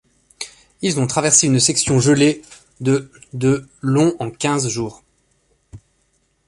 Ils ont traversé une section gelée de de long en quinze jours.